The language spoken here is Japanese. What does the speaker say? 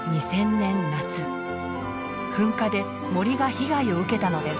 噴火で森が被害を受けたのです。